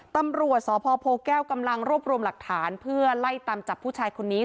ตำรวจสพโพแก้วกำลังรวบรวมหลักฐานเพื่อไล่ตามจับผู้ชายคนนี้